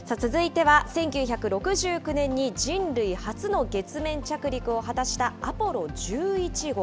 続いては、１９６９年に人類初の月面着陸を果たしたアポロ１１号。